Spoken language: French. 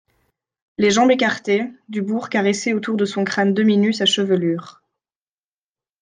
Les jambes écartées, Dubourg caressait autour de son crâne demi-nu sa chevelure.